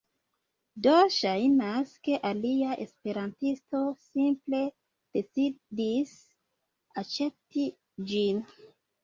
Do ŝajnas, ke alia esperantisto simple decidis aĉeti ĝin